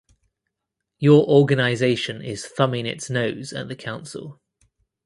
Your organization is thumbing its nose at the council.